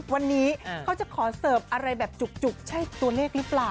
วันนี้เขาจะขอเสิร์ฟอะไรแบบจุกใช่ตัวเลขหรือเปล่า